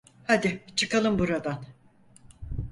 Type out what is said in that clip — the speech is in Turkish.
Hadi çıkalım buradan.